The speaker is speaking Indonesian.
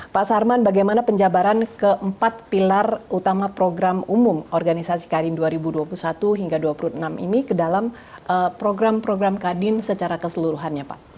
pak sarman bagaimana penjabaran keempat pilar utama program umum organisasi kadin dua ribu dua puluh satu hingga dua puluh enam ini ke dalam program program kadin secara keseluruhannya pak